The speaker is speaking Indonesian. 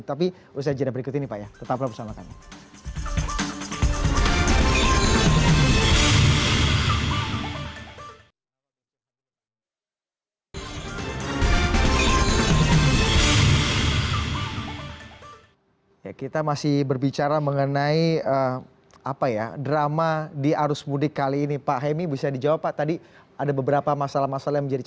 tapi usaha jadwal berikut ini pak ya tetap bersama kami